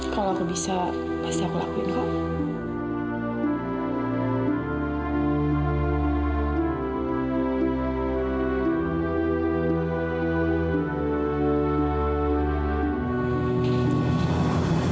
kalau aku bisa mesti aku lakuin kok